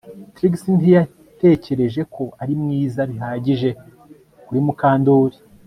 Trix ntiyatekereje ko ari mwiza bihagije kuri Mukandoli